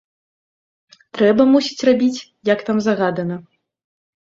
Трэба, мусіць, рабіць, як там загадана.